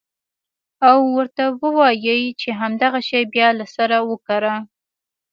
او ورته ووايې چې همدغه شى بيا له سره وکره.